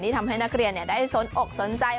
ที่ทำให้นักเรียนได้สนอกสนใจเรื่องราว